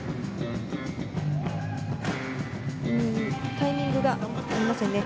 タイミングが合いませんでしたね。